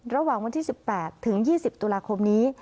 ระหว่างวันที่๑๘ถึง๒๐ตุลาคมนี้